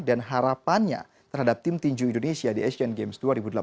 dan harapannya terhadap tim tinju indonesia di asian games dua ribu delapan belas